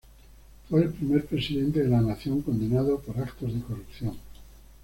Fue el primer Presidente de la Nación condenado por actos de corrupción.